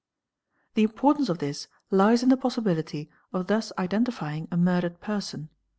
a The importance of this les in the possiblity of thus identifying a q "murdered person.